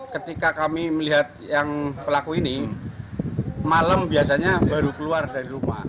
ketika kami melihat yang pelaku ini malam biasanya baru keluar dari rumah